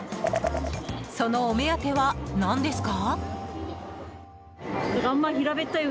そのお目当ては何ですか？